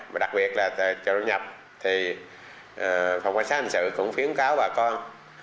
và đặc biệt là trợ lộ nhập thì phòng quan sát hành sự cũng phiến cáo bà con